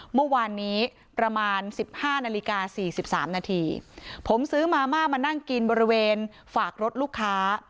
เมื่อวานนี้ประมาณสิบห้านาฬิกาสี่สิบสามนาทีผมซื้อมาม่ามานั่งกินบริเวณฝากรถลูกค้า